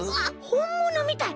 ほんものみたい。